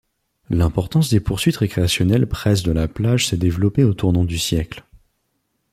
L'importance des poursuites récréationnelles presses de la plage s'est développée au tournant du siècle.